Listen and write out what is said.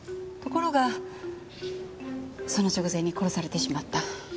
ところがその直前に殺されてしまった。